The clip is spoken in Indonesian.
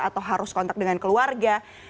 atau harus kontak dengan keluarga